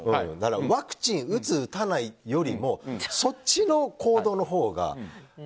ワクチン打つ、打たないよりもそっちの行動のほうが。